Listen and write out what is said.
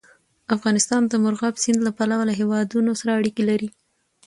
افغانستان د مورغاب سیند له پلوه له هېوادونو سره اړیکې لري.